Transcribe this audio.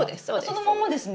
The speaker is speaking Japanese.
そのまんまですね。